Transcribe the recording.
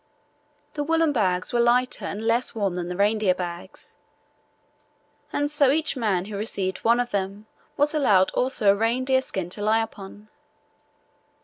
The woollen bags were lighter and less warm than the reindeer bags, and so each man who received one of them was allowed also a reindeer skin to lie upon.